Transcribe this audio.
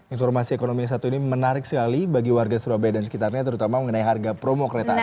informasi ekonomi yang satu ini menarik sekali bagi warga surabaya dan sekitarnya terutama mengenai harga promo kereta api